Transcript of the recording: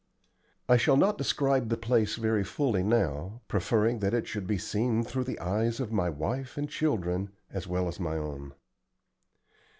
I shall not describe the place very fully now, preferring that it should be seen through the eyes of my wife and children, as well as my own.